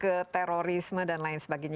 ke terorisme dan lain sebagainya